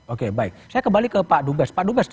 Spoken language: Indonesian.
oke baik saya kembali ke pak dubes pak dubes